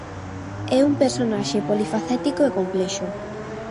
É un personaxe polifacético e complexo.